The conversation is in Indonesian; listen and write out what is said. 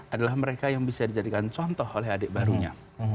adalah mereka yang bisa dijadikan contoh oleh adik barunya